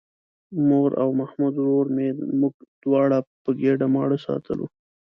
مور او محمود ورور مې موږ دواړه په ګېډه ماړه ساتلو.